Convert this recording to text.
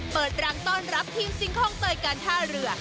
เปิดรังต้อนรับทีมซิงคลองเตยการท่าเรือ